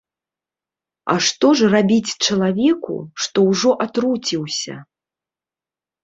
А што ж рабіць чалавеку, што ўжо атруціўся?